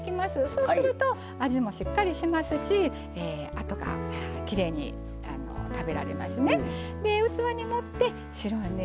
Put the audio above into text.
そうすると味もしっかりしますしきれいに食べられますね。